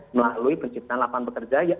melalui penciptaan lapangan pekerjaan